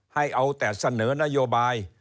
ให้เอาแต่เสนอนโยบาย